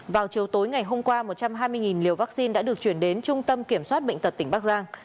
vào chiều tối ngày hôm qua một trăm hai mươi liều vaccine đã được chuyển đến trung tâm kiểm soát bệnh tật tỉnh bắc giang